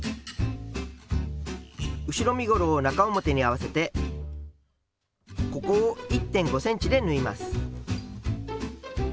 後ろ身ごろを中表に合わせてここを１．５ｃｍで縫います。